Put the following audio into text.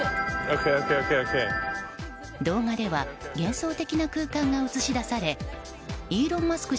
動画では幻想的な空間が映し出されイーロン・マスク